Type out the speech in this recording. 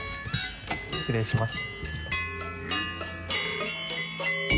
失礼します。